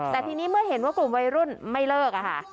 แต่ทีนี้เมื่อเห็นว่ากลุ่มวัยรุ่นไม่เลิกค่ะ